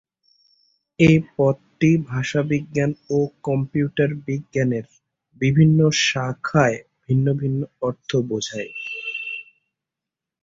এ পদটির ভাষাবিজ্ঞান এবং কম্পিউটার বিজ্ঞানের বিভিন্ন শাখায় ভিন্ন ভিন্ন অর্থ বোঝায়ে।